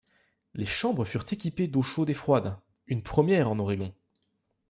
Les chambres furent équipées d'eau chaude et froide, une première en Oregon.